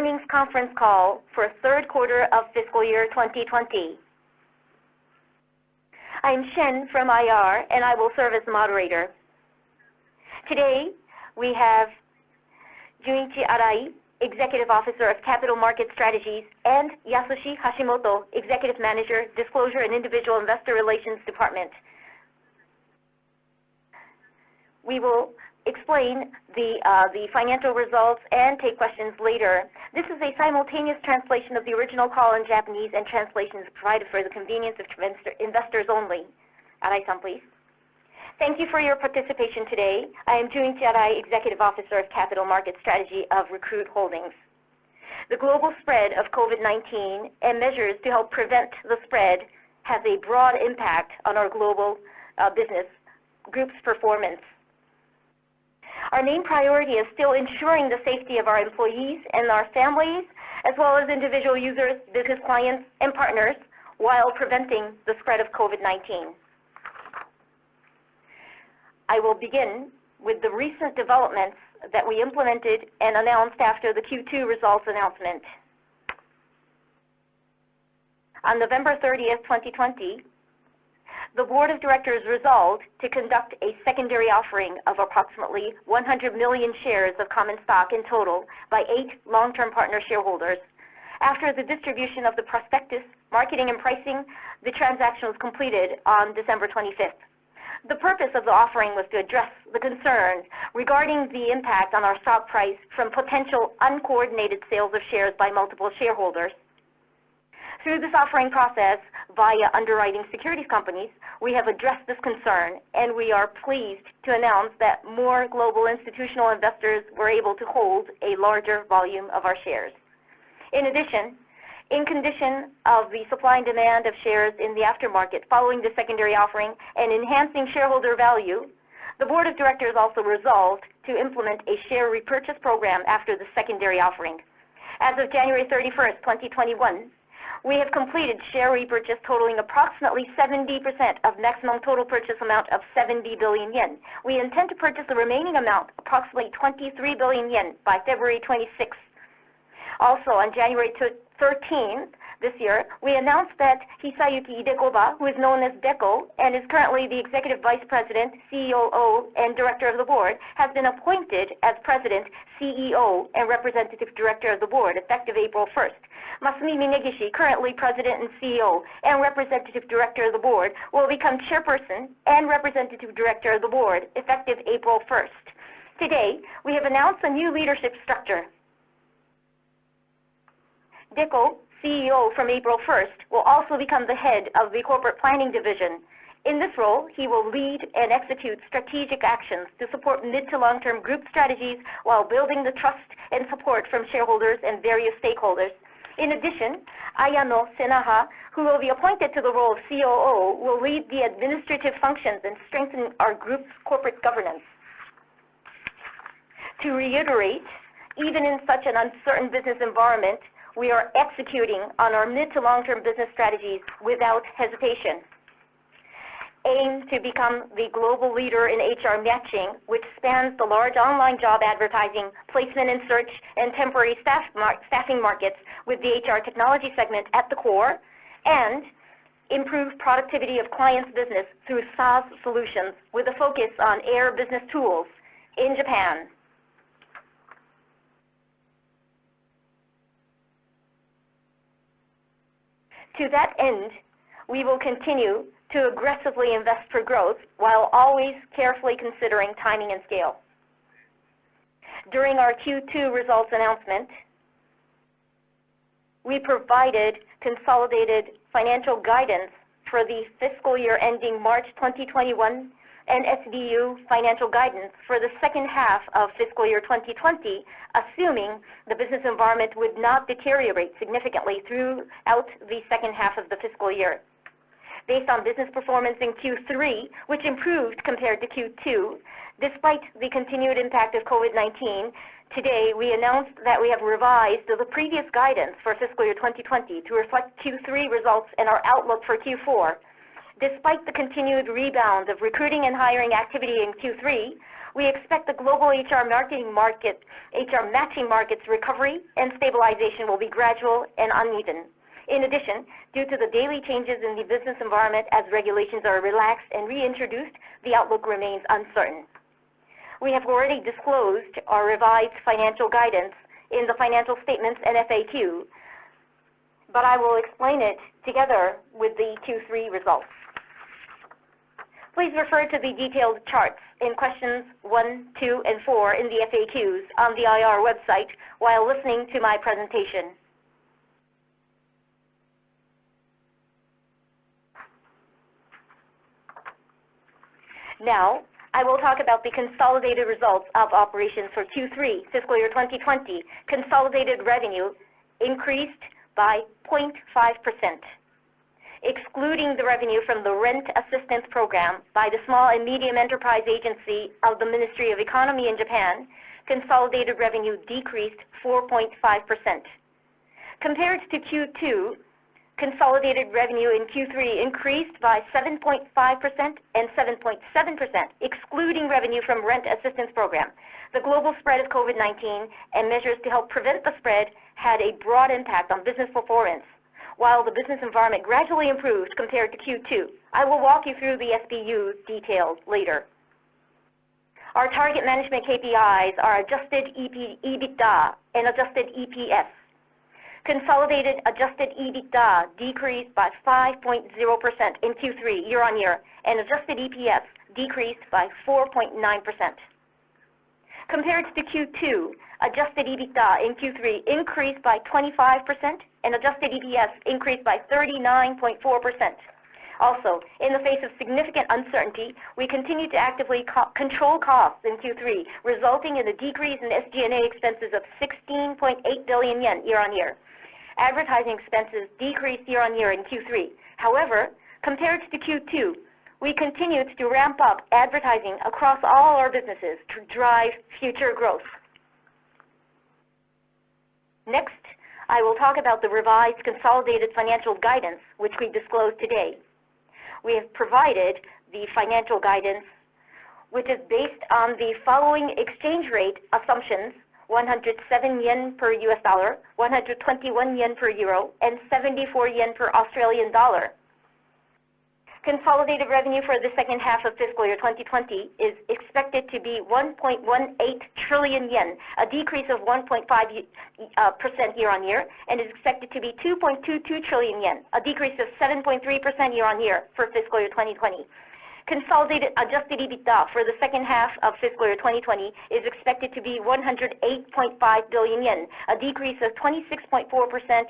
Earnings conference call for third quarter of fiscal year 2020. I'm Shen from IR, and I will serve as moderator. Today, we have Junichi Arai, Executive Officer of Capital Market Strategies, and Yasushi Hashimoto, Executive Manager, Disclosure and Individual Investor Relations Department. We will explain the financial results and take questions later. This is a simultaneous translation of the original call in Japanese, and translation is provided for the convenience of investors only. Arai-san, please. Thank you for your participation today. I am Junichi Arai, Executive Officer of Capital Market Strategy of Recruit Holdings. The global spread of COVID-19 and measures to help prevent the spread have a broad impact on our global business group's performance. Our main priority is still ensuring the safety of our employees and our families, as well as individual users, business clients, and partners while preventing the spread of COVID-19. I will begin with the recent developments that we implemented and announced after the Q2 results announcement. On November 30th, 2020, the board of directors resolved to conduct a secondary offering of approximately 100 million shares of common stock in total by eight long-term partner shareholders. After the distribution of the prospectus, marketing and pricing, the transaction was completed on December 25th. The purpose of the offering was to address the concern regarding the impact on our stock price from potential uncoordinated sales of shares by multiple shareholders. Through this offering process via underwriting securities companies, we have addressed this concern, and we are pleased to announce that more global institutional investors were able to hold a larger volume of our shares. In addition, in condition of the supply and demand of shares in the aftermarket following the secondary offering and enhancing shareholder value, the board of directors also resolved to implement a share repurchase program after the secondary offering. As of January 31st, 2021, we have completed share repurchase totaling approximately 70% of maximum total purchase amount of 70 billion yen. We intend to purchase the remaining amount, approximately 23 billion yen, by February 26th. On January 13th this year, we announced that Hisayuki Idekoba, who is known as Deko and is currently the Executive Vice President, COO, and Director of the Board, has been appointed as President, CEO, and Representative Director of the Board, effective April 1st. Masumi Minegishi, currently President and CEO and Representative Director of the Board, will become Chairperson and Representative Director of the Board, effective April 1st. Today, we have announced a new leadership structure. Deko, CEO from April 1st, will also become the head of the Corporate Planning division. In this role, he will lead and execute strategic actions to support mid to long-term group strategies while building the trust and support from shareholders and various stakeholders. In addition, Ayano Senaha, who will be appointed to the role of COO, will lead the administrative functions and strengthen our group's corporate governance. To reiterate, even in such an uncertain business environment, we are executing on our mid to long-term business strategies without hesitation. We aim to become the global leader in HR matching, which spans the large online job advertising, placement and search, and temporary staffing markets, with the HR Technology segment at the core, and improve productivity of clients' business through SaaS solutions, with a focus on Air BusinessTools in Japan. To that end, we will continue to aggressively invest for growth while always carefully considering timing and scale. During our Q2 results announcement, we provided consolidated financial guidance for the fiscal year ending March 2021 and SBU financial guidance for the second half of fiscal year 2020, assuming the business environment would not deteriorate significantly throughout the second half of the fiscal year. Based on business performance in Q3, which improved compared to Q2 despite the continued impact of COVID-19, today, we announced that we have revised the previous guidance for fiscal year 2020 to reflect Q3 results and our outlook for Q4. Despite the continued rebound of recruiting and hiring activity in Q3, we expect the global HR matching market's recovery and stabilization will be gradual and uneven. Due to the daily changes in the business environment as regulations are relaxed and reintroduced, the outlook remains uncertain. We have already disclosed our revised financial guidance in the financial statements and FAQ, but I will explain it together with the Q3 results. Please refer to the detailed charts in questions one, two, and four in the FAQs on the IR website while listening to my presentation. Now, I will talk about the consolidated results of operations for Q3 fiscal year 2020. Consolidated revenue increased by 0.5%. Excluding the revenue from the rent assistance program by the Small and Medium Enterprise Agency of the Ministry of Economy in Japan, consolidated revenue decreased 4.5%. Compared to Q2, consolidated revenue in Q3 increased by 7.5% and 7.7%, excluding revenue from rent assistance program. The global spread of COVID-19 and measures to help prevent the spread had a broad impact on business performance. While the business environment gradually improved compared to Q2, I will walk you through the SBU details later. Our target management KPIs are adjusted EBITDA and adjusted EPS. Consolidated adjusted EBITDA decreased by 5.0% in Q3 year-on-year, and adjusted EPS decreased by 4.9%. Compared to Q2, adjusted EBITDA in Q3 increased by 25% and adjusted EPS increased by 39.4%. In the face of significant uncertainty, we continued to actively control costs in Q3, resulting in a decrease in SG&A expenses of 16.8 billion yen year-on-year. Advertising expenses decreased year-on-year in Q3. Compared to Q2, we continued to ramp up advertising across all our businesses to drive future growth. I will talk about the revised consolidated financial guidance, which we disclosed today. We have provided the financial guidance, which is based on the following exchange rate assumptions: 107 yen per U.S. dollar, 121 yen per Euro, and 74 yen per Australian dollar. Consolidated revenue for the second half of fiscal year 2020 is expected to be 1.18 trillion yen, a decrease of 1.5% year-on-year, and is expected to be 2.22 trillion yen, a decrease of 7.3% year-on-year for fiscal year 2020. Consolidated adjusted EBITDA for the second half of fiscal year 2020 is expected to be 108.5 billion yen, a decrease of 26.4%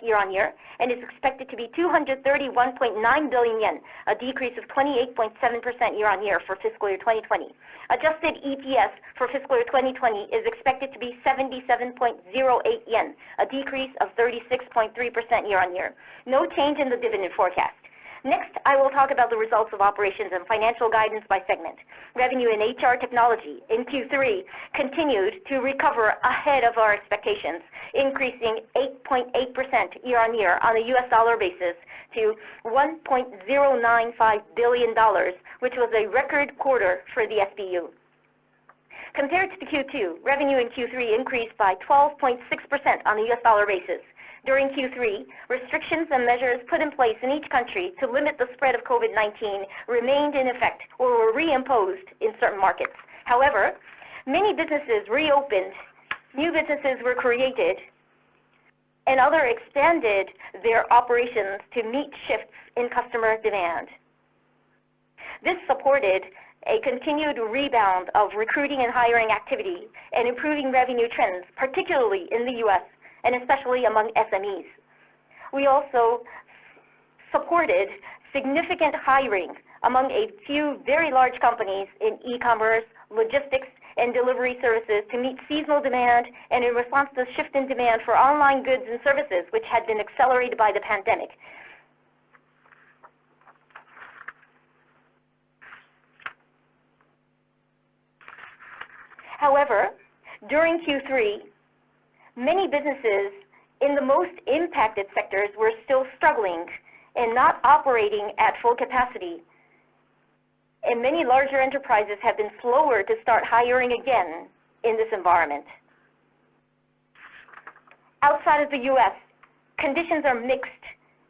year-on-year, and is expected to be 231.9 billion yen, a decrease of 28.7% year-on-year for fiscal year 2020. Adjusted EPS for fiscal year 2020 is expected to be 77.08 yen, a decrease of 36.3% year-on-year. No change in the dividend forecast. I will talk about the results of operations and financial guidance by segment. Revenue in HR Technology in Q3 continued to recover ahead of our expectations, increasing 8.8% year-on-year on a U.S. dollar basis to $1.095 billion, which was a record quarter for the SBU. Compared to Q2, revenue in Q3 increased by 12.6% on a U.S. dollar basis. During Q3, restrictions and measures put in place in each country to limit the spread of COVID-19 remained in effect or were reimposed in certain markets. However, many businesses reopened, new businesses were created, and other expanded their operations to meet shifts in customer demand. This supported a continued rebound of recruiting and hiring activity and improving revenue trends, particularly in the U.S. and especially among SMEs. We also supported significant hiring among a few very large companies in e-commerce, logistics, and delivery services to meet seasonal demand and in response to shift in demand for online goods and services, which had been accelerated by the pandemic. However, during Q3, many businesses in the most impacted sectors were still struggling and not operating at full capacity, and many larger enterprises have been slower to start hiring again in this environment. Outside of the U.S., conditions are mixed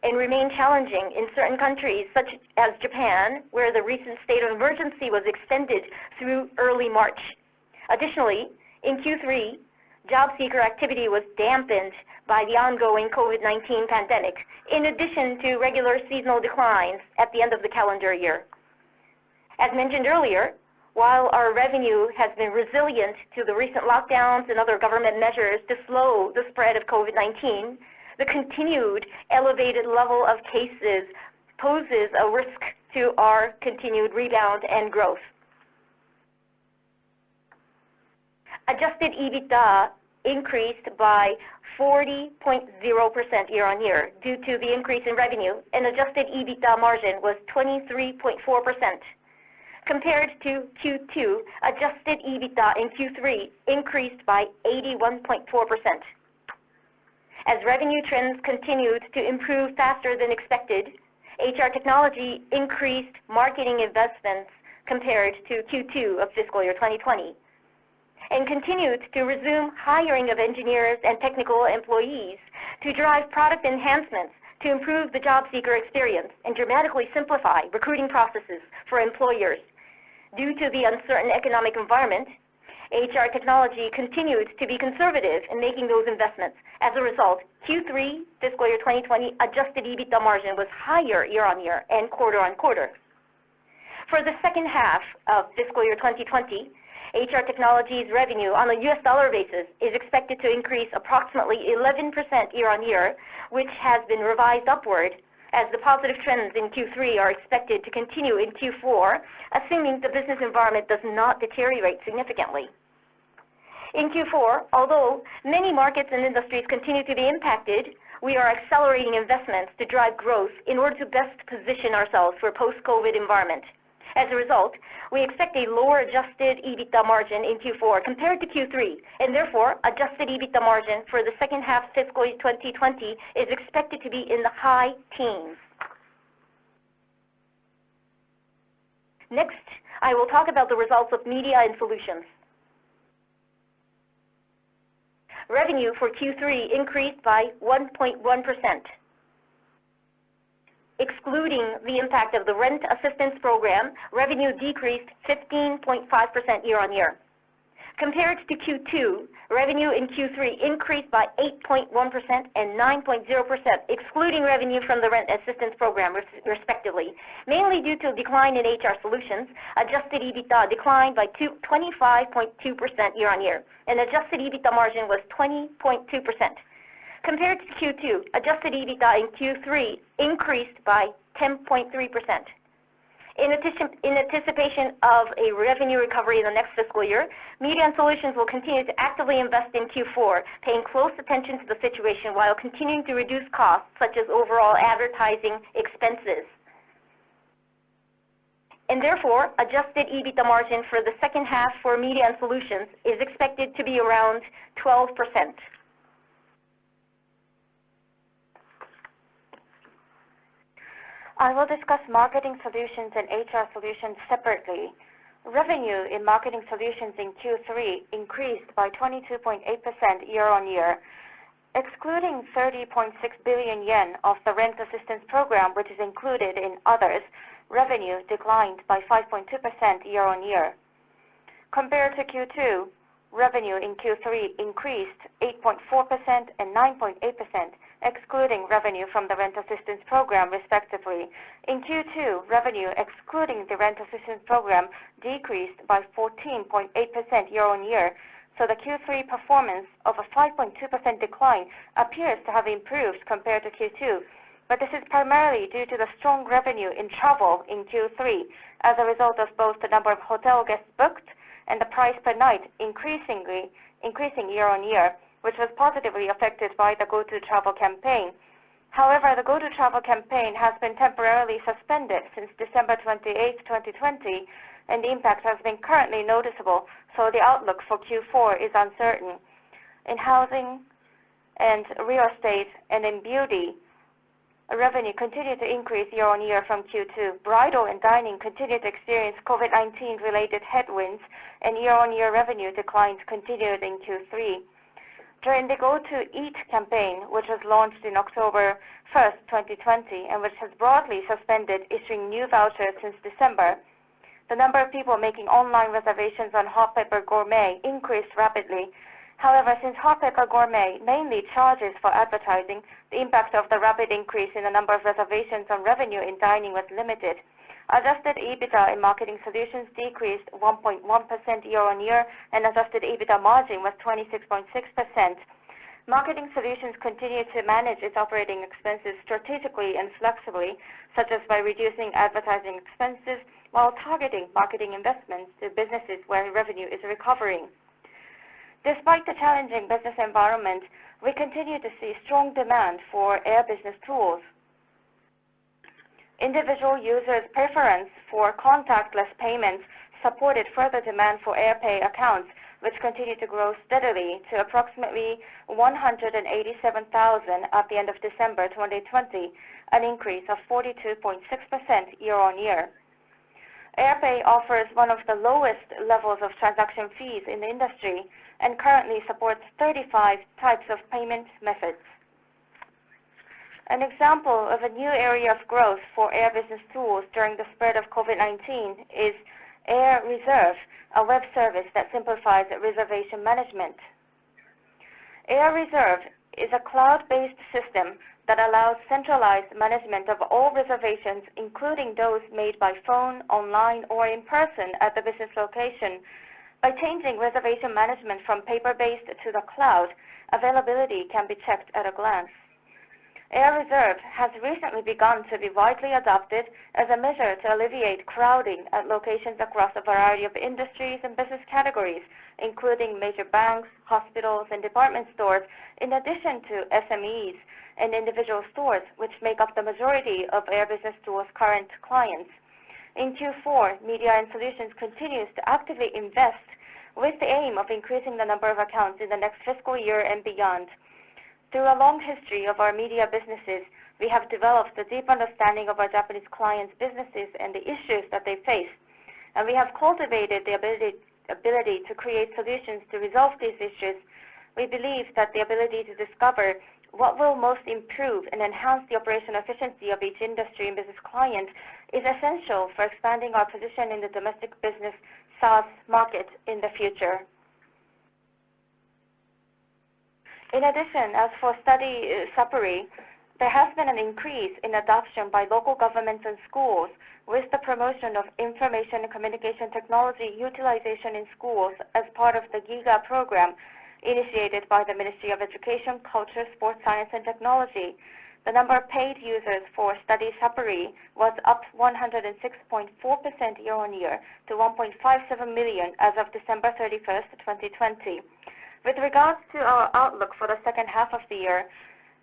and remain challenging in certain countries, such as Japan, where the recent state of emergency was extended through early March. Additionally, in Q3, job seeker activity was dampened by the ongoing COVID-19 pandemic, in addition to regular seasonal declines at the end of the calendar year. As mentioned earlier, while our revenue has been resilient to the recent lockdowns and other government measures to slow the spread of COVID-19, the continued elevated level of cases poses a risk to our continued rebound and growth. Adjusted EBITDA increased by 40.0% year-on-year due to the increase in revenue, and adjusted EBITDA margin was 23.4%. Compared to Q2, adjusted EBITDA in Q3 increased by 81.4%. As revenue trends continued to improve faster than expected, HR Technology increased marketing investments compared to Q2 of fiscal year 2020 and continued to resume hiring of engineers and technical employees to drive product enhancements to improve the job seeker experience and dramatically simplify recruiting processes for employers. Due to the uncertain economic environment, HR Technology continued to be conservative in making those investments. As a result, Q3 fiscal year 2020 adjusted EBITDA margin was higher year-on-year and quarter-on-quarter. For the second half of fiscal year 2020, HR Technology revenue on a U.S. dollar basis is expected to increase approximately 11% year-on-year, which has been revised upward as the positive trends in Q3 are expected to continue in Q4, assuming the business environment does not deteriorate significantly. In Q4, although many markets and industries continue to be impacted, we are accelerating investments to drive growth in order to best position ourselves for a post-COVID-19 environment. As a result, we expect a lower adjusted EBITDA margin in Q4 compared to Q3, and therefore adjusted EBITDA margin for the second half fiscal year 2020 is expected to be in the high teens. Next, I will talk about the results of Media & Solutions. Revenue for Q3 increased by 1.1%. Excluding the impact of the rent assistance program, revenue decreased 15.5% year-on-year. Compared to Q2, revenue in Q3 increased by 8.1% and 9.0%, excluding revenue from the rent assistance program, respectively. Mainly due to a decline in HR Solutions, adjusted EBITDA declined by 25.2% year-on-year, and adjusted EBITDA margin was 20.2%. Compared to Q2, adjusted EBITDA in Q3 increased by 10.3%. In anticipation of a revenue recovery in the next fiscal year, Media & Solutions will continue to actively invest in Q4, paying close attention to the situation while continuing to reduce costs such as overall advertising expenses. Therefore, adjusted EBITDA margin for the second half for Media & Solutions is expected to be around 12%. I will discuss Marketing Solutions and HR Solutions separately. Revenue in Marketing Solutions in Q3 increased by 22.8% year-on-year. Excluding 30.6 billion yen of the rent assistance program, which is included in others, revenue declined by 5.2% year-on-year. Compared to Q2, revenue in Q3 increased 8.4% and 9.8%, excluding revenue from the rent assistance program, respectively. In Q2, revenue excluding the rent assistance program decreased by 14.8% year-on-year. The Q3 performance of a 5.2% decline appears to have improved compared to Q2. This is primarily due to the strong revenue in travel in Q3 as a result of both the number of hotel guests booked and the price per night increasing year-on-year, which was positively affected by the Go To Travel campaign. The Go To Travel campaign has been temporarily suspended since December 28th, 2020, and the impacts have been currently noticeable, so the outlook for Q4 is uncertain. In housing and real estate, and in beauty, revenue continued to increase year-on-year from Q2. Bridal and dining continued to experience COVID-19 related headwinds, and year-on-year revenue declines continued in Q3. During the Go To Eat campaign, which was launched on October 1st, 2020, and which has broadly suspended issuing new vouchers since December, the number of people making online reservations on Hot Pepper Gourmet increased rapidly. Since Hot Pepper Gourmet mainly charges for advertising, the impact of the rapid increase in the number of reservations on revenue in dining was limited. adjusted EBITDA in Marketing Solutions decreased 1.1% year-on-year, and adjusted EBITDA margin was 26.6%. Marketing Solutions continued to manage its operating expenses strategically and flexibly, such as by reducing advertising expenses while targeting marketing investments to businesses where revenue is recovering. Despite the challenging business environment, we continue to see strong demand for Air BusinessTools. Individual users' preference for contactless payments supported further demand for AirPAY accounts, which continued to grow steadily to approximately 187,000 at the end of December 2020, an increase of 42.6% year-on-year. AirPAY offers one of the lowest levels of transaction fees in the industry and currently supports 35 types of payment methods. An example of a new area of growth for Air BusinessTools during the spread of COVID-19 is AirRESERVE, a web service that simplifies reservation management. AirRESERVE is a cloud-based system that allows centralized management of all reservations, including those made by phone, online or in person at the business location. By changing reservation management from paper-based to the cloud, availability can be checked at a glance. AirRESERVE has recently begun to be widely adopted as a measure to alleviate crowding at locations across a variety of industries and business categories, including major banks, hospitals, and department stores, in addition to SMEs and individual stores, which make up the majority of Air BusinessTools' current clients. In Q4, Media & Solutions continues to actively invest with the aim of increasing the number of accounts in the next fiscal year and beyond. Through a long history of our media businesses, we have developed a deep understanding of our Japanese clients' businesses and the issues that they face, and we have cultivated the ability to create solutions to resolve these issues. We believe that the ability to discover what will most improve and enhance the operational efficiency of each industry and business client is essential for expanding our position in the domestic business SaaS market in the future. In addition, as for Study Sapuri, there has been an increase in adoption by local governments and schools with the promotion of information and communication technology utilization in schools as part of the GIGA program initiated by the Ministry of Education, Culture, Sports, Science and Technology. The number of paid users for Study Sapuri was up 106.4% year-on-year to 1.57 million as of December 31st, 2020. With regards to our outlook for the second half of the year,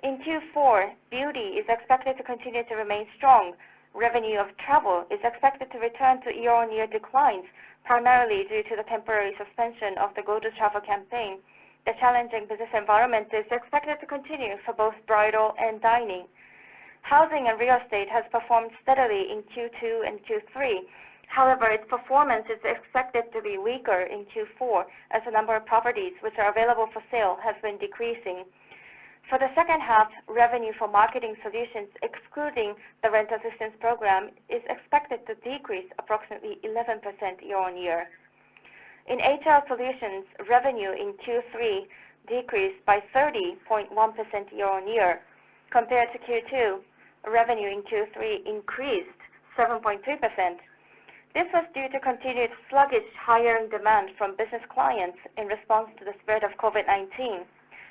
in Q4, beauty is expected to continue to remain strong. Revenue of travel is expected to return to year-on-year declines, primarily due to the temporary suspension of the Go To Travel campaign. The challenging business environment is expected to continue for both bridal and dining. Housing and real estate has performed steadily in Q2 and Q3. However, its performance is expected to be weaker in Q4 as the number of properties which are available for sale has been decreasing. For the second half, revenue for Marketing Solutions, excluding the rent assistance program, is expected to decrease approximately 11% year-on-year. In HR Solutions, revenue in Q3 decreased by 30.1% year-on-year. Compared to Q2, revenue in Q3 increased 7.2%. This was due to continued sluggish hiring demand from business clients in response to the spread of COVID-19.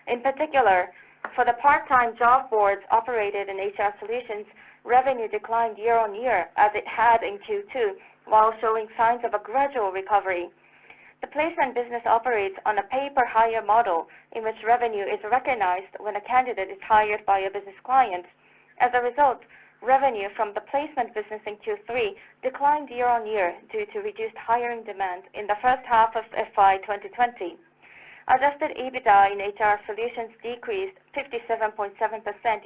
In particular, for the part-time job boards operated in HR Solutions, revenue declined year-on-year as it had in Q2, while showing signs of a gradual recovery. The placement business operates on a pay per hire model, in which revenue is recognized when a candidate is hired by a business client. As a result, revenue from the placement business in Q3 declined year-on-year due to reduced hiring demand in the first half of FY 2020. Adjusted EBITDA in HR Solutions decreased 57.7%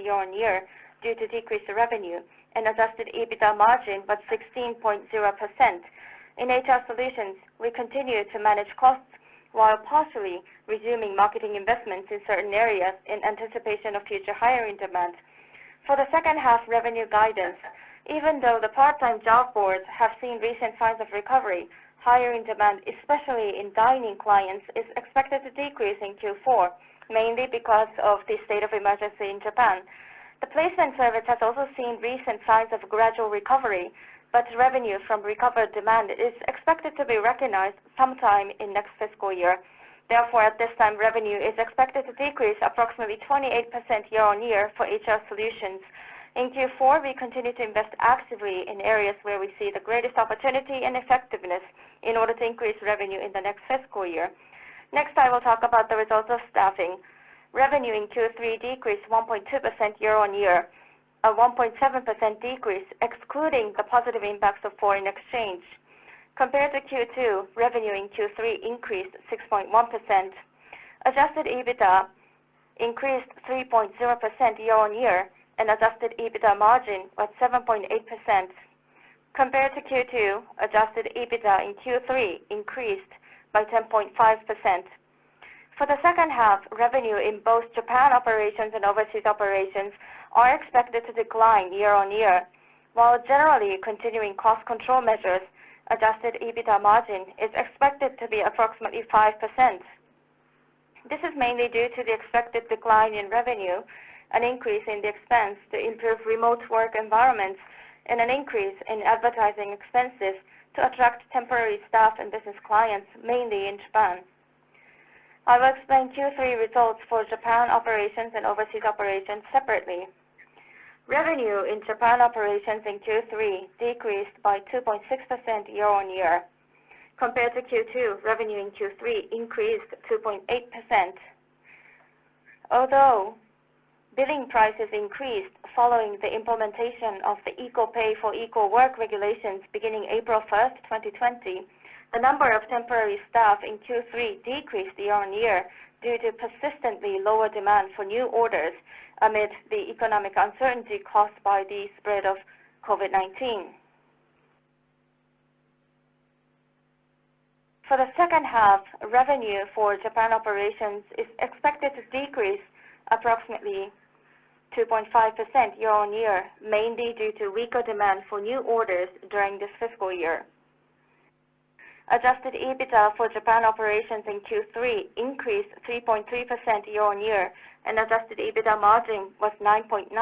year-on-year due to decrease in revenue, and adjusted EBITDA margin was 16.0%. In HR Solutions, we continue to manage costs while partially resuming marketing investments in certain areas in anticipation of future hiring demand. For the second half revenue guidance, even though the part-time job boards have seen recent signs of recovery, hiring demand, especially in dining clients, is expected to decrease in Q4, mainly because of the state of emergency in Japan. The placement service has also seen recent signs of gradual recovery, but revenue from recovered demand is expected to be recognized sometime in next fiscal year. Therefore, at this time, revenue is expected to decrease approximately 28% year-on-year for HR Solutions. In Q4, we continue to invest actively in areas where we see the greatest opportunity and effectiveness in order to increase revenue in the next fiscal year. Next, I will talk about the results of staffing. Revenue in Q3 decreased 1.2% year-on-year, a 1.7% decrease excluding the positive impacts of foreign exchange. Compared to Q2, revenue in Q3 increased 6.1%. Adjusted EBITDA increased 3.0% year-on-year, and adjusted EBITDA margin was 7.8%. Compared to Q2, adjusted EBITDA in Q3 increased by 10.5%. For the second half, revenue in both Japan operations and overseas operations are expected to decline year-on-year, while generally continuing cost control measures, adjusted EBITDA margin is expected to be approximately 5%. This is mainly due to the expected decline in revenue, an increase in the expense to improve remote work environments, and an increase in advertising expenses to attract temporary staff and business clients, mainly in Japan. I will explain Q3 results for Japan operations and overseas operations separately. Revenue in Japan operations in Q3 decreased by 2.6% year-on-year. Compared to Q2, revenue in Q3 increased 2.8%. Although billing prices increased following the implementation of the equal pay for equal work regulations beginning April 1st, 2020. The number of temporary staff in Q3 decreased year-on-year due to persistently lower demand for new orders amid the economic uncertainty caused by the spread of COVID-19. For the second half, revenue for Japan operations is expected to decrease approximately 2.5% year-on-year, mainly due to weaker demand for new orders during this fiscal year. Adjusted EBITDA for Japan operations in Q3 increased 3.3% year-on-year, and adjusted EBITDA margin was 9.9%.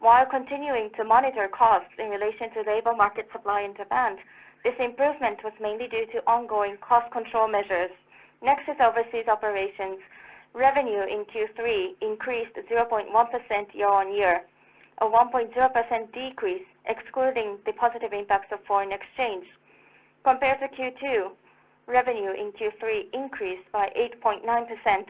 While continuing to monitor costs in relation to labor market supply and demand, this improvement was mainly due to ongoing cost control measures. Next is overseas operations. Revenue in Q3 increased 0.1% year-on-year, a 1.0% decrease excluding the positive impacts of foreign exchange. Compared to Q2, revenue in Q3 increased by 8.9%.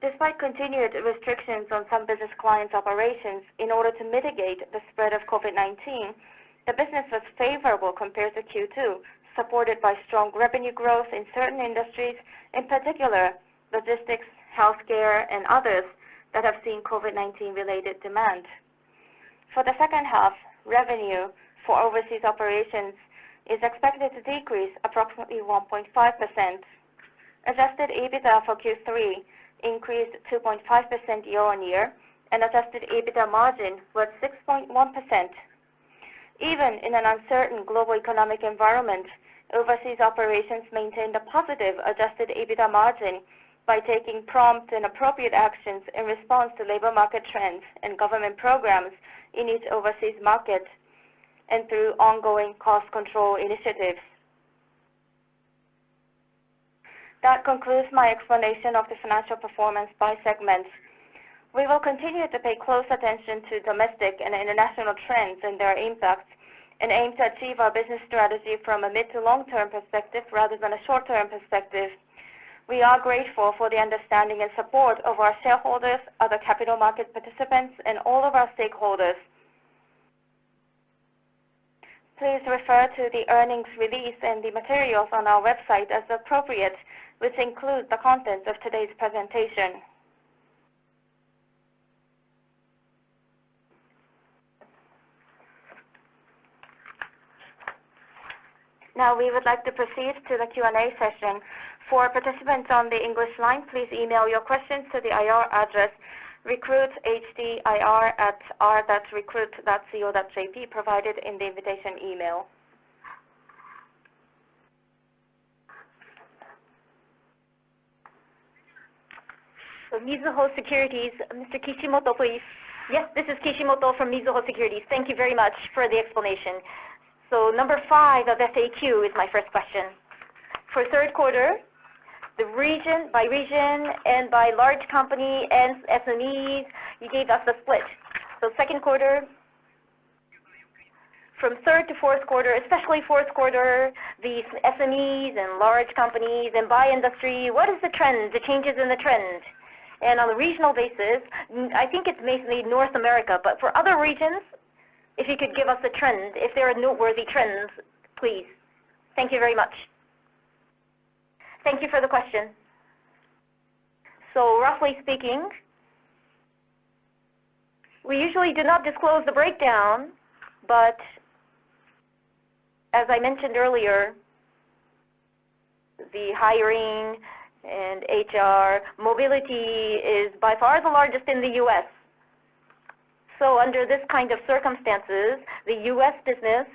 Despite continued restrictions on some business clients' operations in order to mitigate the spread of COVID-19, the business was favorable compared to Q2, supported by strong revenue growth in certain industries, in particular logistics, healthcare, and others, that have seen COVID-19 related demand. For the second half, revenue for overseas operations is expected to decrease approximately 1.5%. adjusted EBITDA for Q3 increased 2.5% year-on-year, and adjusted EBITDA margin was 6.1%. Even in an uncertain global economic environment, overseas operations maintained a positive adjusted EBITDA margin by taking prompt and appropriate actions in response to labor market trends and government programs in each overseas market and through ongoing cost control initiatives. That concludes my explanation of the financial performance by segment. We will continue to pay close attention to domestic and international trends and their impacts and aim to achieve our business strategy from a mid to long-term perspective rather than a short-term perspective. We are grateful for the understanding and support of our shareholders, other capital market participants, and all of our stakeholders. Please refer to the earnings release and the materials on our website as appropriate, which include the contents of today's presentation. We would like to proceed to the Q&A session. For participants on the English line, please email your questions to the IR address, recruithtir@r.recruit.co.jp, provided in the invitation email. From Mizuho Securities, Mr. Kishimoto, please. This is Kishimoto from Mizuho Securities. Thank you very much for the explanation. Number five of FAQ is my first question. For third quarter, by region and by large company and SMEs, you gave us the split. Second quarter, from third to fourth quarter, especially fourth quarter, the SMEs and large companies, and by industry, what is the changes in the trend? On a regional basis, I think it is mainly North America, but for other regions, if you could give us a trend, if there are noteworthy trends? Please. Thank you very much. Thank you for the question. Roughly speaking, we usually do not disclose the breakdown, as I mentioned earlier, the hiring and HR mobility is by far the largest in the U.S. Under this kind of circumstances, the U.S. business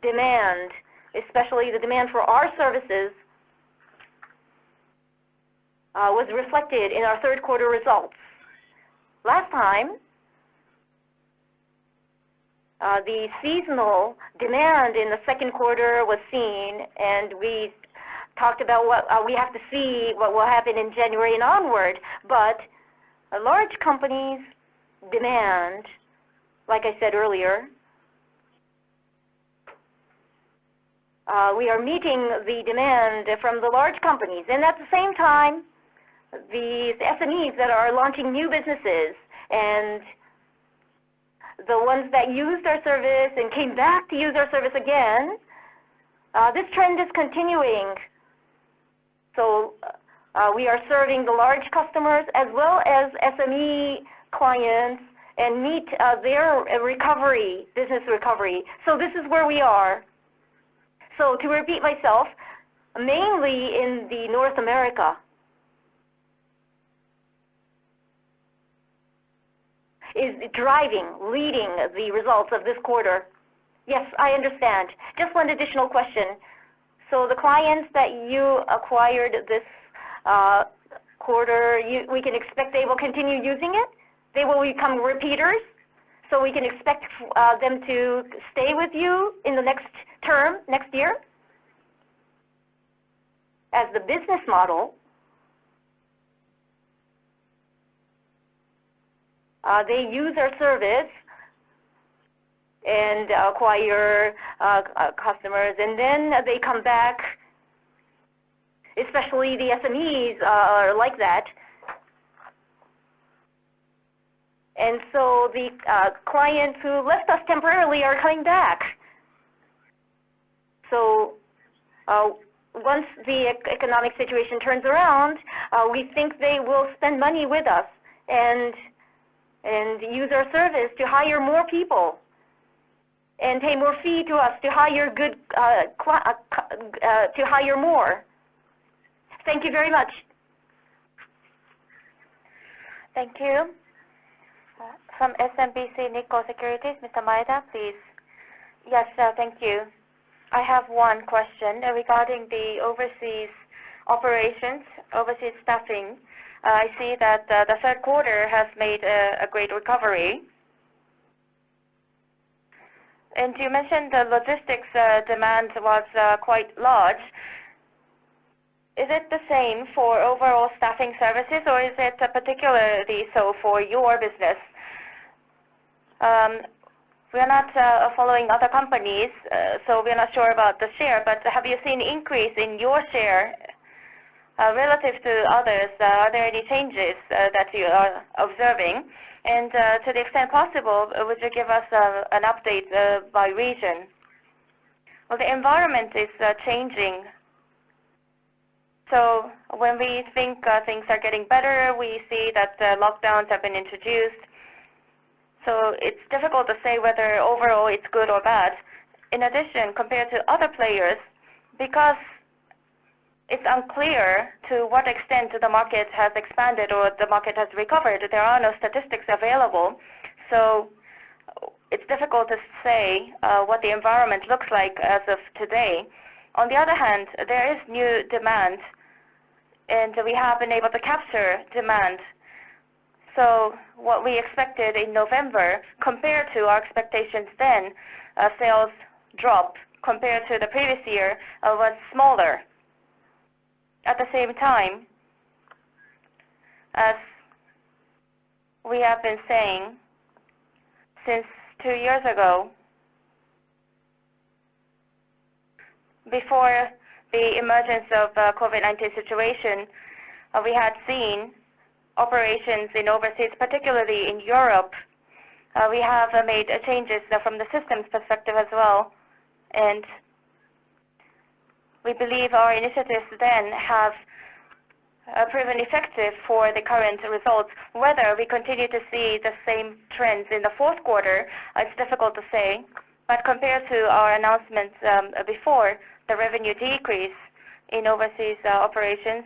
demand, especially the demand for our services, was reflected in our third quarter results. Last time, the seasonal demand in the second quarter was seen, we talked about what we have to see what will happen in January and onward. A large company's demand, like I said earlier, we are meeting the demand from the large companies. At the same time, the SMEs that are launching new businesses and the ones that used our service and came back to use our service again, this trend is continuing. We are serving the large customers as well as SME clients and meet their business recovery. This is where we are. To repeat myself, mainly in North America is driving, leading the results of this quarter. I understand. Just one additional question. The clients that you acquired this quarter, we can expect they will continue using it? They will become repeaters? We can expect them to stay with you in the next term, next year? As the business model, they use our service and acquire customers, and then they come back, especially the SMEs are like that. The clients who left us temporarily are coming back. Once the economic situation turns around, we think they will spend money with us and use our service to hire more people and pay more fee to us to hire more. Thank you very much. Thank you. From SMBC Nikko Securities, Mr. Maeda, please. Thank you. I have one question regarding the overseas operations, overseas staffing. I see that the third quarter has made a great recovery. You mentioned the logistics demand was quite large. Is it the same for overall staffing services, or is it particularly so for your business? We're not following other companies, so we're not sure about the share. Have you seen increase in your share relative to others? Are there any changes that you are observing? To the extent possible, would you give us an update by region? Well, the environment is changing. When we think things are getting better, we see that lockdowns have been introduced. It's difficult to say whether overall it's good or bad. In addition, compared to other players, because it's unclear to what extent the market has expanded or the market has recovered, there are no statistics available. It's difficult to say what the environment looks like as of today. On the other hand, there is new demand, and we have been able to capture demand. What we expected in November, compared to our expectations then, sales drop compared to the previous year was smaller. At the same time, as we have been saying since two years ago, before the emergence of the COVID-19 situation, we had seen operations in overseas, particularly in Europe. We have made changes from the systems perspective as well, and we believe our initiatives then have proven effective for the current results. Whether we continue to see the same trends in the fourth quarter, it's difficult to say. Compared to our announcements before, the revenue decrease in overseas operations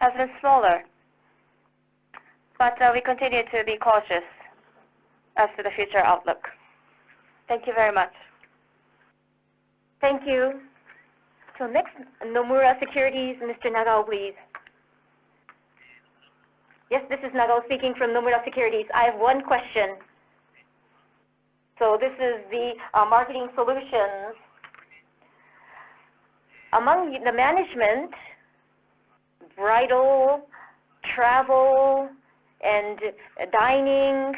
has been smaller. We continue to be cautious as to the future outlook. Thank you very much. Thank you. Next, Nomura Securities, Mr. Nagao, please. This is Nagao speaking from Nomura Securities. I have one question. This is the Marketing Solutions. Among the management, bridal, travel, and dining,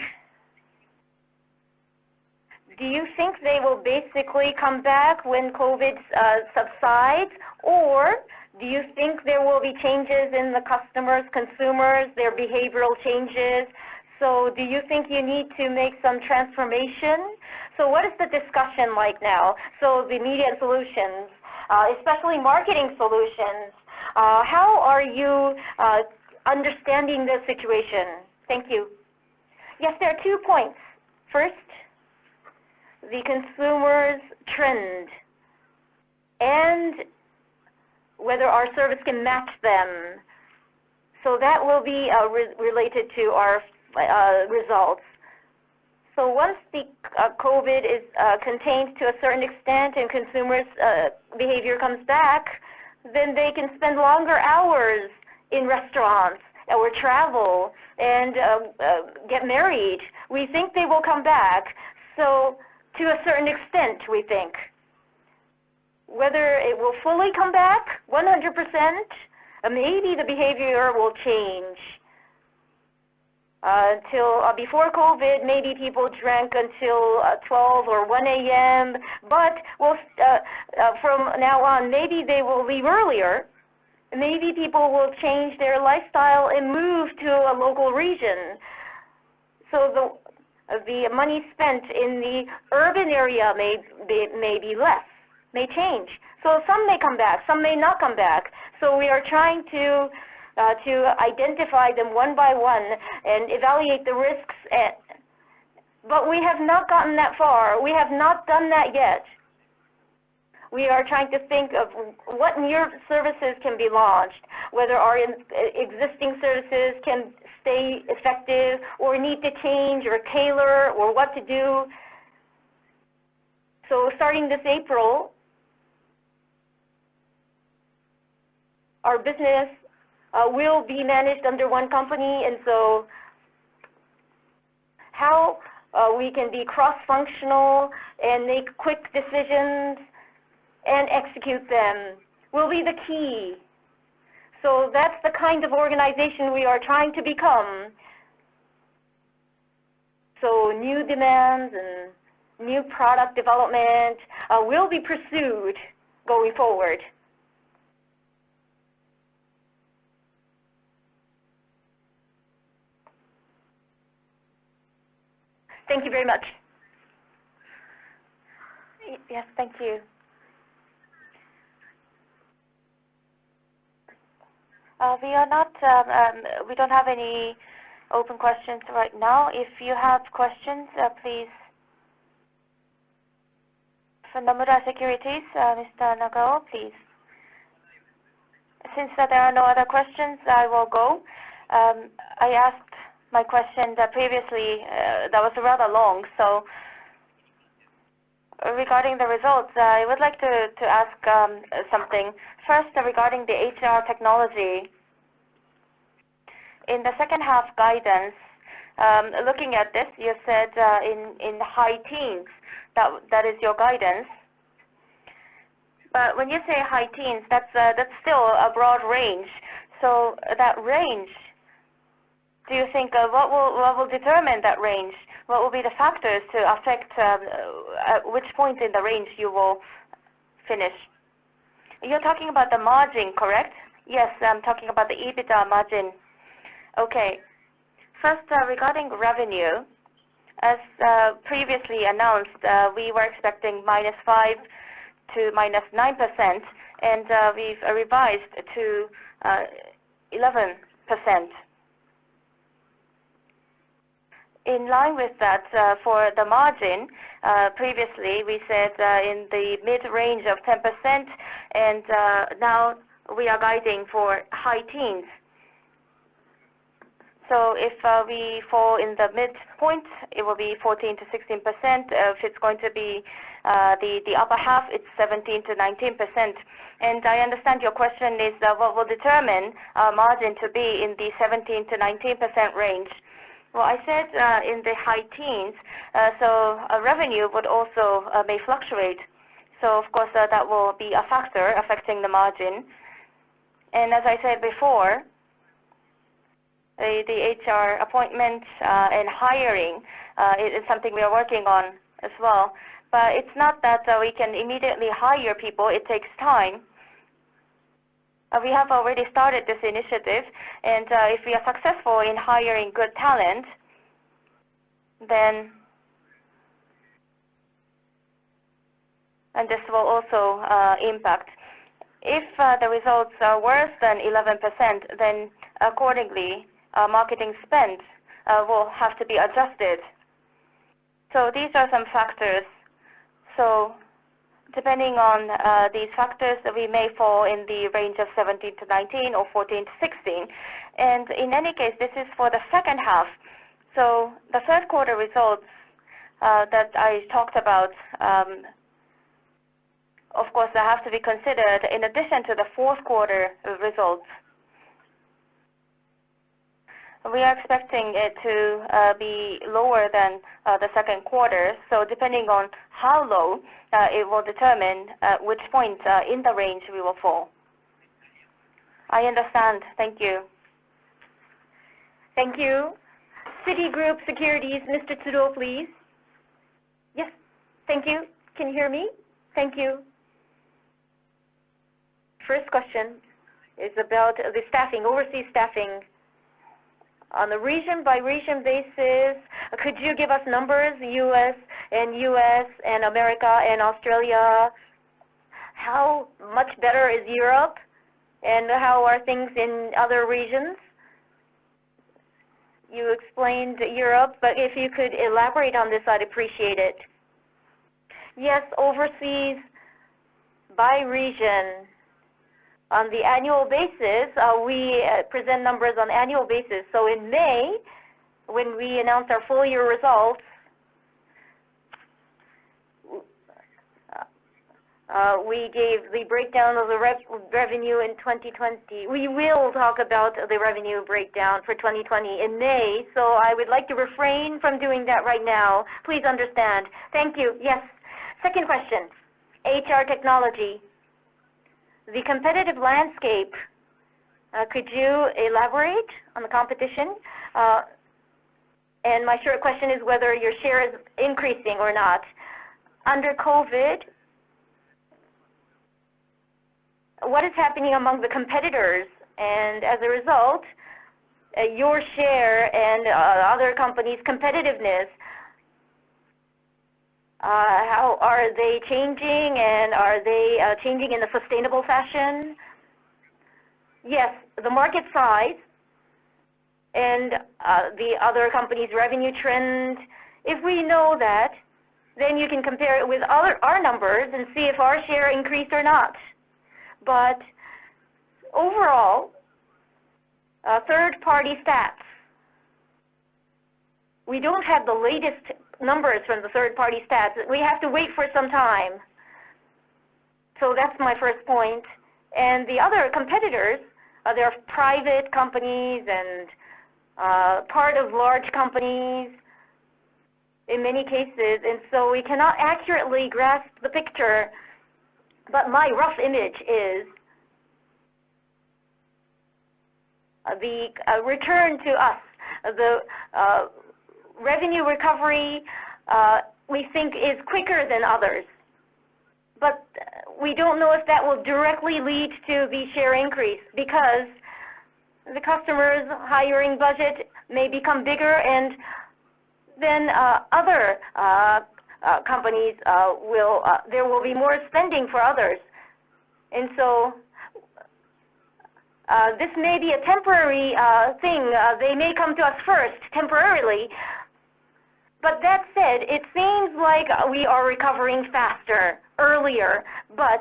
do you think they will basically come back when COVID-19 subsides? Do you think there will be changes in the customers, consumers, their behavioral changes? Do you think you need to make some transformation? What is the discussion like now? The Media & Solutions, especially Marketing Solutions, how are you understanding the situation? Thank you. There are two points. First, the consumer's trend and whether our service can match them. That will be related to our results. Once the COVID-19 is contained to a certain extent and consumers' behavior comes back, then they can spend longer hours in restaurants or travel and get married. We think they will come back. To a certain extent, we think. Whether it will fully come back 100%, maybe the behavior will change. Until before COVID-19, maybe people drank until 12:00 A.M. or 1:00 A.M., but from now on, maybe they will leave earlier. Maybe people will change their lifestyle and move to a local region. The money spent in the urban area may be less, may change. Some may come back, some may not come back. We are trying to identify them one by one and evaluate the risks, but we have not gotten that far. We have not done that yet. We are trying to think of what new services can be launched, whether our existing services can stay effective or need to change or tailor, or what to do. Starting this April, our business will be managed under one company. How we can be cross-functional and make quick decisions and execute them will be the key. That's the kind of organization we are trying to become. New demands and new product development will be pursued going forward. Thank you very much. Thank you. We don't have any open questions right now. If you have questions, please. For Nomura Securities, Mr. Nagao, please. There are no other questions, I will go. I asked my question previously that was rather long. Regarding the results, I would like to ask something. First, regarding the HR Technology. In the second half guidance, looking at this, you said in the high teens, that is your guidance. When you say high teens, that's still a broad range. That range, what will determine that range? What will be the factors to affect which point in the range you will finish? You're talking about the margin, correct? Yes, I'm talking about the EBITDA margin. First, regarding revenue, as previously announced, we were expecting -5% to -9%, we've revised to 11%. In line with that, for the margin, previously, we said in the mid-range of 10%, now we are guiding for high teens. If we fall in the midpoint, it will be 14%-16%. If it's going to be the upper half, it's 17%-19%. I understand your question is what will determine margin to be in the 17%-19% range. Well, I said in the high teens, revenue may fluctuate. Of course, that will be a factor affecting the margin. As I said before, the HR appointments and hiring is something we are working on as well. It's not that we can immediately hire people. It takes time. We have already started this initiative, if we are successful in hiring good talent, this will also impact. If the results are worse than 11%, accordingly, marketing spend will have to be adjusted. These are some factors. Depending on these factors, we may fall in the range of 17%-19% or 14%-16%. In any case, this is for the second half. The first quarter results that I talked about, of course, they have to be considered in addition to the fourth quarter results. We are expecting it to be lower than the second quarter. Depending on how low, it will determine which point in the range we will fall. I understand. Thank you. Citigroup Securities, Mr. Tsuruo, please. Thank you. Can you hear me? Thank you. First question is about the overseas staffing. On the region-by-region basis, could you give us numbers, U.S. and America and Australia? How much better is Europe, and how are things in other regions? You explained Europe, but if you could elaborate on this, I'd appreciate it. Ooverseas by region. On the annual basis, we present numbers on annual basis. In May, when we announce our full-year results, we will talk about the revenue breakdown for 2020 in May. I would like to refrain from doing that right now. Please understand. Thank you. Yes. Second question, HR Technology. The competitive landscape, could you elaborate on the competition? My short question is whether your share is increasing or not? Under COVID, what is happening among the competitors, and as a result, your share and other companies' competitiveness, how are they changing, and are they changing in a sustainable fashion? The market size and the other companies' revenue trend. If we know that, you can compare it with our numbers and see if our share increased or not. Overall, third-party stats. We don't have the latest numbers from the third-party stats. We have to wait for some time. That's my first point. The other competitors, they're private companies and part of large companies in many cases, we cannot accurately grasp the picture. My rough image is the return to us. The revenue recovery, we think, is quicker than others. We don't know if that will directly lead to the share increase because the customer's hiring budget may become bigger, and then there will be more spending for others. This may be a temporary thing. They may come to us first temporarily. That said, it seems like we are recovering faster, earlier, but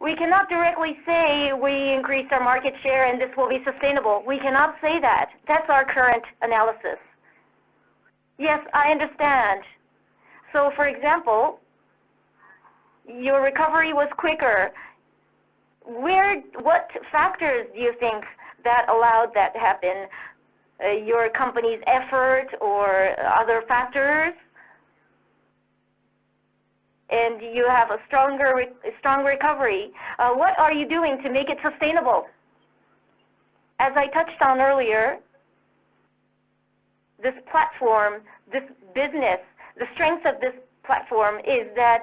we cannot directly say we increased our market share and this will be sustainable. We cannot say that. That's our current analysis. I understand. For example, your recovery was quicker. What factors do you think allowed that to happen? Your company's effort or other factors? You have a strong recovery. What are you doing to make it sustainable? As I touched on earlier, the strength of this platform is that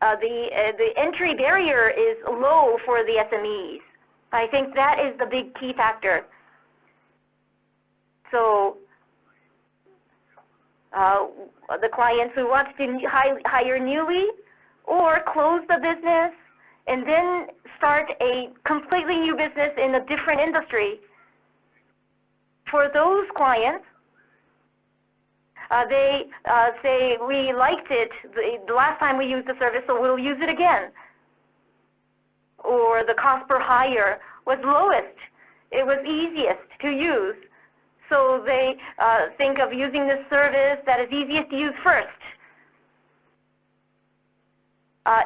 the entry barrier is low for the SMEs. I think that is the big key factor. The clients who want to hire newly or close the business and then start a completely new business in a different industry. For those clients, they say, "We liked it the last time we used the service, so we'll use it again." "The cost per hire was lowest." It was easiest to use. They think of using the service that is easiest to use first.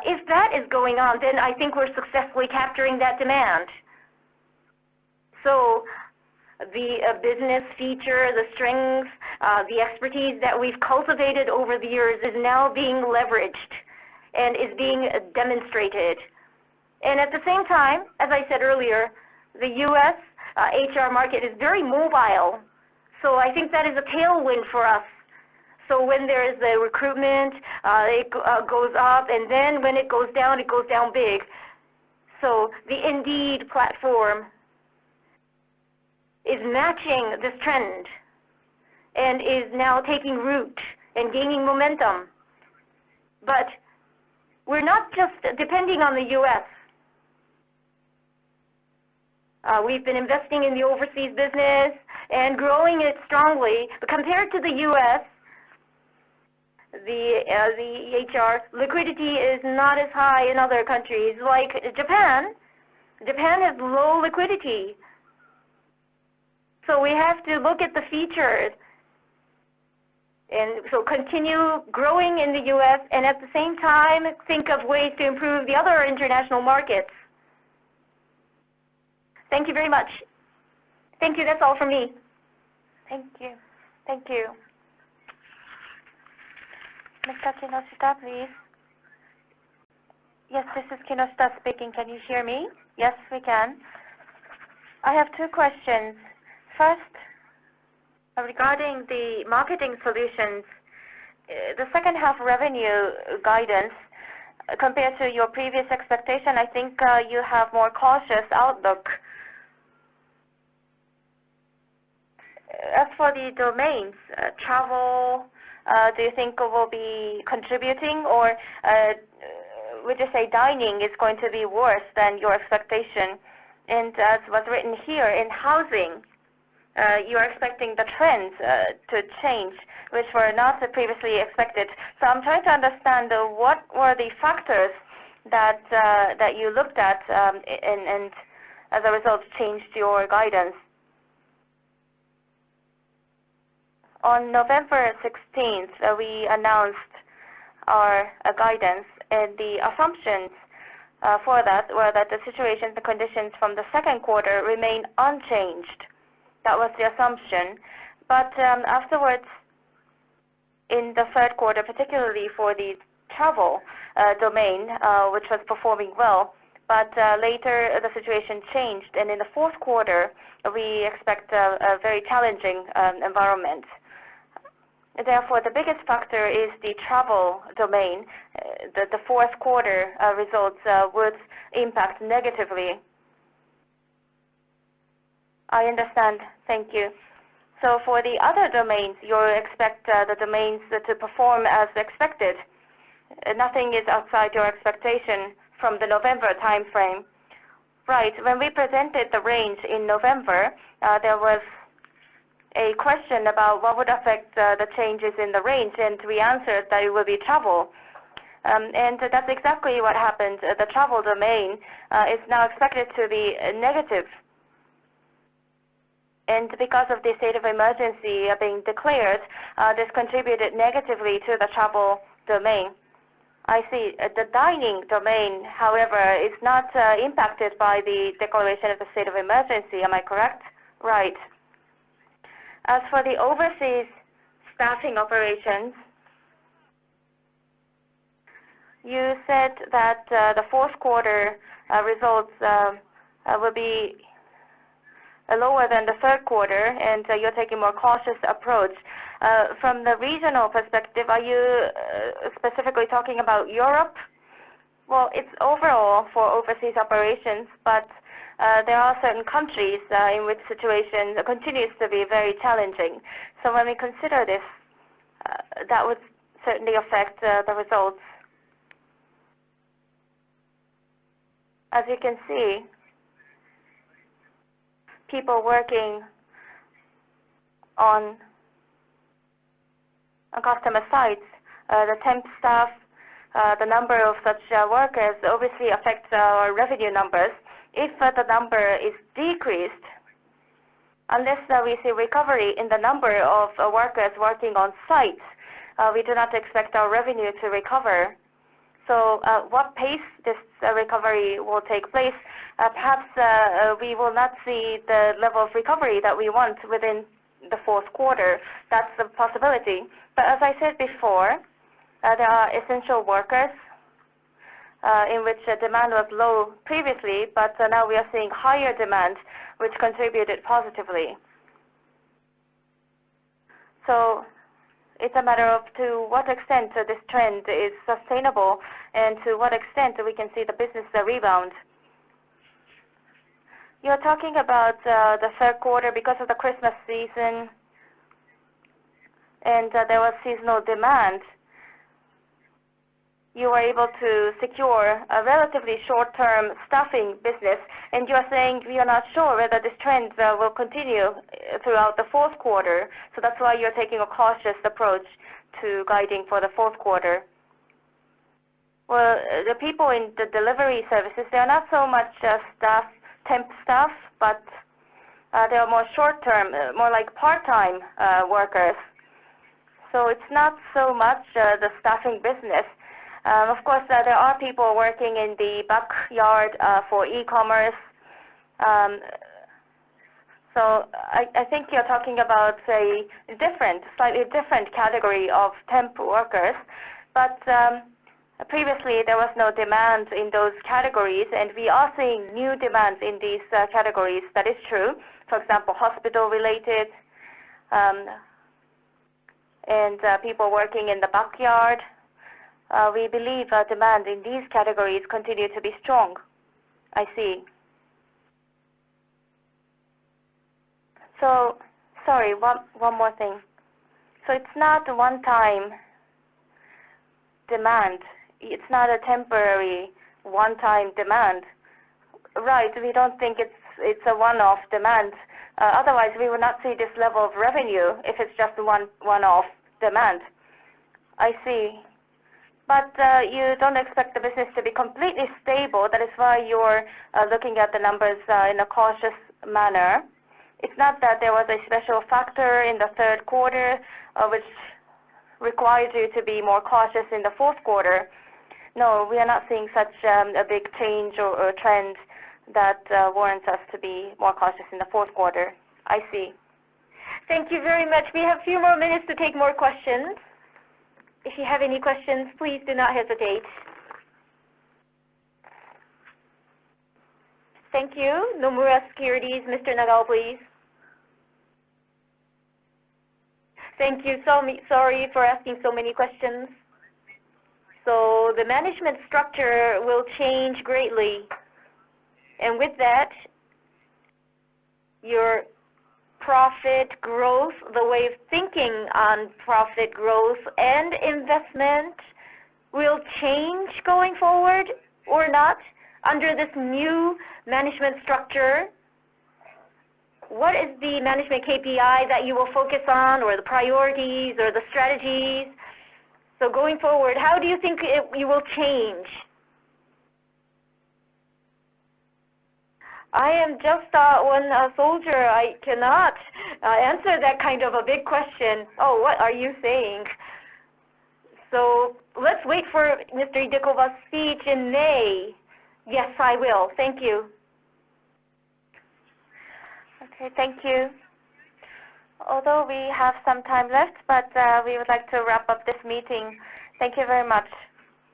If that is going on, I think we're successfully capturing that demand. The business feature, the strengths, the expertise that we've cultivated over the years is now being leveraged and is being demonstrated. At the same time, as I said earlier, the U.S. HR market is very mobile. I think that is a tailwind for us. When there is a recruitment, it goes up, and then when it goes down, it goes down big. The Indeed platform is matching this trend and is now taking root and gaining momentum. We're not just depending on the U.S. We've been investing in the overseas business and growing it strongly. Compared to the U.S., the HR liquidity is not as high in other countries. Like Japan. Japan has low liquidity. We have to look at the features. Continue growing in the U.S. and at the same time, think of ways to improve the other international markets. Thank you very much. Thank you. That's all from me. Thank you. Thank you. Mr. Kinoshita, please. This is Kinoshita speaking. Can you hear me? I have two questions. First, regarding the Marketing Solutions, the second half revenue guidance compared to your previous expectation, I think you have more cautious outlook. As for the domains, travel, do you think will be contributing, or would you say dining is going to be worse than your expectation? As was written here in housing, you are expecting the trends to change, which were not previously expected. I'm trying to understand what were the factors that you looked at and as a result, changed your guidance. On November 16th, we announced our guidance and the assumptions for that were that the situations, the conditions from the second quarter remained unchanged. That was the assumption. Afterwards, in the third quarter, particularly for the travel domain which was performing well, but later the situation changed. In the fourth quarter, we expect a very challenging environment. The biggest factor is the travel domain, the fourth quarter results would impact negatively. I understand. Thank you. For the other domains, you expect the domains to perform as expected. Nothing is outside your expectation from the November timeframe? When we presented the range in November, there was a question about what would affect the changes in the range, and we answered that it will be travel. That's exactly what happened. The travel domain is now expected to be negative. Because of the state of emergency being declared, this contributed negatively to the travel domain. The dining domain, however, is not impacted by the declaration of the state of emergency. Am I correct? Right. As for the overseas staffing operations, you said that the fourth quarter results will be lower than the third quarter, and you're taking a more cautious approach. From the regional perspective, are you specifically talking about Europe? It's overall for overseas operations, but there are certain countries in which situation continues to be very challenging. When we consider this, that would certainly affect the results. As you can see, people working on customer sites, the temp staff, the number of such workers obviously affects our revenue numbers. If the number is decreased, unless we see recovery in the number of workers working on site, we do not expect our revenue to recover. At what pace this recovery will take place? Perhaps we will not see the level of recovery that we want within the fourth quarter. That's a possibility. As I said before, there are essential workers, in which the demand was low previously, but now we are seeing higher demand, which contributed positively. It is a matter of to what extent this trend is sustainable and to what extent we can see the business rebound. You are talking about the third quarter because of the Christmas season, and there was seasonal demand. You were able to secure a relatively short-term staffing business, and you are saying we are not sure whether this trend will continue throughout the fourth quarter. That is why you are taking a cautious approach to guiding for the fourth quarter? The people in the delivery services, they are not so much temp staff, but they are more short-term, more like part-time workers. It is not so much the staffing business. Of course, there are people working in the backyard for e-commerce. I think you are talking about a slightly different category of temp workers. Previously, there was no demand in those categories, and we are seeing new demands in these categories. That is true. For example, hospital-related, and people working in the backyard. We believe demand in these categories continue to be strong. Sorry, one more thing. It's not a one-time demand. It's not a temporary one-time demand? We don't think it's a one-off demand. Otherwise, we would not see this level of revenue if it's just one-off demand. You don't expect the business to be completely stable. That is why you're looking at the numbers in a cautious manner. It's not that there was a special factor in the third quarter, which requires you to be more cautious in the fourth quarter? No, we are not seeing such a big change or trend that warrants us to be more cautious in the fourth quarter. Thank you very much. We have a few more minutes to take more questions. If you have any questions, please do not hesitate. Thank you. Nomura Securities, Mr. Nagao, please. Thank you. Sorry for asking so many questions. The management structure will change greatly. With that, your profit growth, the way of thinking on profit growth and investment will change going forward or not under this new management structure? What is the management KPI that you will focus on, or the priorities or the strategies? Going forward, how do you think it will change? I am just one soldier. I cannot answer that kind of a big question. Oh, what are you saying? Let's wait for Mr. Idekoba's speech in May. Yes, I will. Thank you. Okay, thank you. Although we have some time left, but we would like to wrap up this meeting. Thank you very much.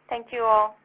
Thank you all.